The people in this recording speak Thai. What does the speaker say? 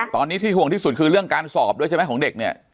ตอนนี้ที่ห่วงที่สุดคือเรื่องการสอบด้วยใช่ไหมของเด็กเนี่ย